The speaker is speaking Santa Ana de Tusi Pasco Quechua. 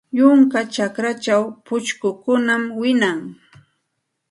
Yunka chakrachaw pushkukunam wiñan.